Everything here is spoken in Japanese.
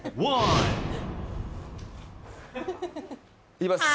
いきます。